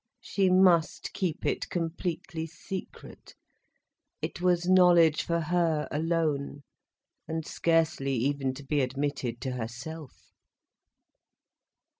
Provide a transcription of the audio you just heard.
She must keep it completely secret. It was knowledge for her alone, and scarcely even to be admitted to herself.